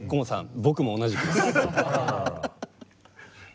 僕も同じです。